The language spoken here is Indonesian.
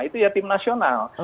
itu ya tim nasional